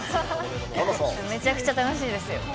めちゃくちゃ楽しいですよ。